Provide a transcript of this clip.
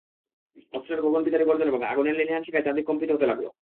অস্ত্রের গগনবিদারী গর্জন এবং আগুনের লেলিহান শিখায় চারদিক কম্পিত হতে লাগল।